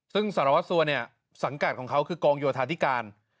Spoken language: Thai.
ซึ่งสารวัสสัวเนี่ยสังกัดของเขาคือกองโยธาธิการ